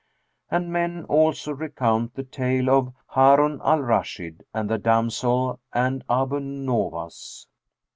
And men also recount the tale of HARUN AL RASHID AND THE DAMSEL AND ABU NOWAS.